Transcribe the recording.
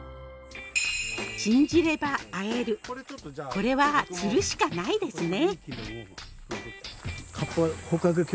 これは釣るしかないですね。